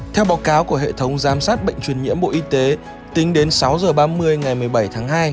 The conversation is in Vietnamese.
theo báo cáo của hệ thống giám sát bệnh truyền nhiễm bộ y tế tính đến sáu h ba mươi ngày một mươi bảy tháng hai